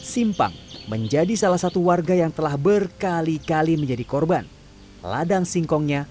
simpang menjadi salah satu warga yang telah berkali kali menjadi korban ladang singkongnya